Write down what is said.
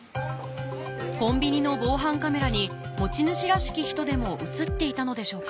コンビニの防犯カメラに持ち主らしき人でも映っていたのでしょうか？